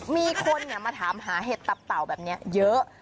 มีคนมาถามหาเห็ดตับเต่าแบบนี้เยอะ